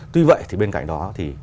tuy vậy thì bên cạnh đó